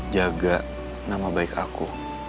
jaga nama baik aku